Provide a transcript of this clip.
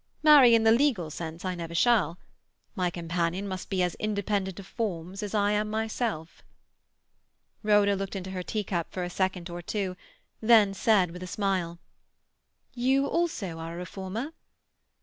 Marry in the legal sense I never shall. My companion must be as independent of forms as I am myself." Rhoda looked into her teacup for a second or two, then said with a smile,— "You also are a reformer?"